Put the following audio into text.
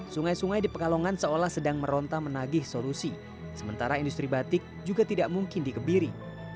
sungai sungai di pekalongan seolah sedang meronta menagih solusi sementara industri batik juga tidak mungkin dikebiri